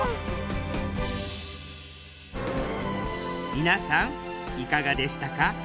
皆さんいかがでしたか？